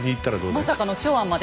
まさかの長安まで？